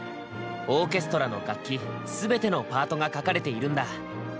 オーケストラの楽器すべてのパートが書かれているんだ。